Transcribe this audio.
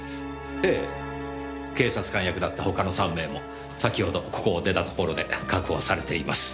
ええ警察官役だった他の３名も先ほどここを出た所で確保されています。